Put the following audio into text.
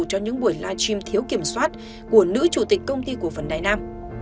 cho những buổi live stream thiếu kiểm soát của nữ chủ tịch công ty cổ phần đài nam